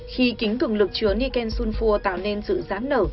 khi kính cường lực chứa niken sunfur tạo nên sự gián nở